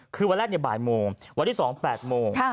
คือวันแรกบ่ายโมงวันที่๒๘โมง